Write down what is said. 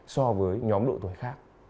so với nhóm độ tuổi khác